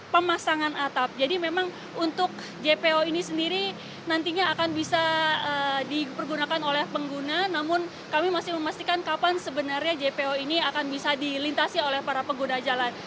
pemasangan atap jadi memang untuk jpo ini sendiri nantinya akan bisa dipergunakan oleh pengguna namun kami masih memastikan kapan sebenarnya jpo ini akan bisa dilintasi oleh para pengguna jalan